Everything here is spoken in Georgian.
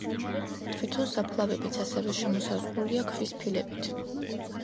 თვითონ საფლავებიც ასევე შემოსაზღვრულია ქვის ფილებით.